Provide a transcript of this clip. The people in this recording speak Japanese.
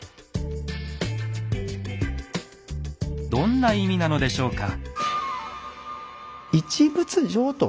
どんな意味なのでしょうか。